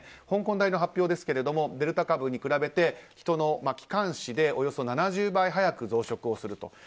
香港大の発表ですがデルタ株に比べて人の気管支でおよそ７０倍速く増殖をすると。